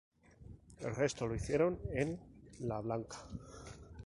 El resto lo hicieron en la "Blanca".